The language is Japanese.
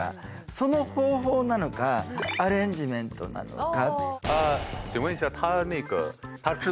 その方法なのかアレンジメントなのか。